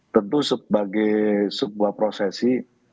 tentu sebagai sebuah prosesi